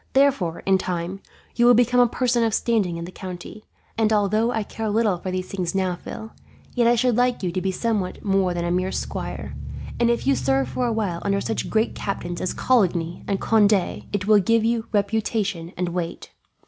Therefore, in time, you will become a person of standing in the county; and although I care little for these things now, Phil, yet I should like you to be somewhat more than a mere squire; and if you serve for a while under such great captains as Coligny and Conde, it will give you reputation and weight.